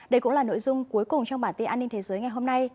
đây cũng là nội dung cuối cùng trong bản tin an ninh thế giới ngày hôm nay